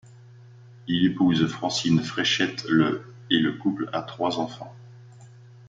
Il épouse Francine Fréchette le et le couple a trois enfants.